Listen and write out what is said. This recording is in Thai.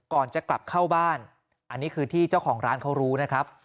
ก่อนจะกลับเข้าบ้านอันนี้คือที่เจ้าของร้านเขารู้นะครับ